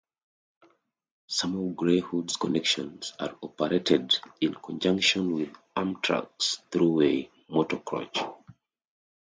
Some of Greyhound's connections are operated in conjunction with Amtrak's Thruway Motorcoach.